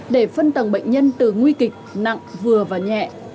để phân tầng bệnh nhân từ nguy kịch nặng vừa và nhẹ